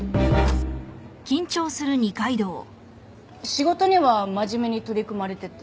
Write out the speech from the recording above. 仕事には真面目に取り組まれてて。